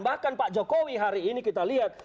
bahkan pak jokowi hari ini kita lihat